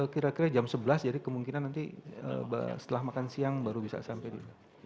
kira kira jam sebelas jadi kemungkinan nanti setelah makan siang baru bisa sampai juga